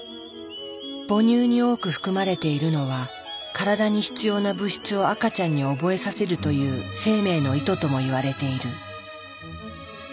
母乳に多く含まれているのは体に必要な物質を赤ちゃんに覚えさせるという生命の意図ともいわれている。